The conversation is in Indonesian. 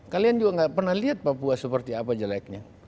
kalian juga gak pernah lihat papua seperti apa jeleknya